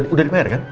udah dibayar kan